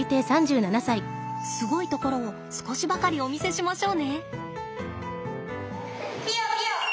すごいところを少しばかりお見せしましょうね。